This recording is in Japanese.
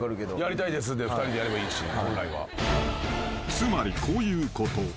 ［つまりこういうこと］